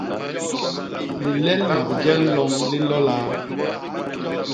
Lilelna bijek nloñ li nlo laa?